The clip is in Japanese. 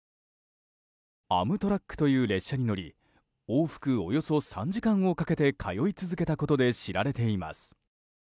アムトラックという列車に乗り往復およそ３時間をかけて通い続けたことで知られています。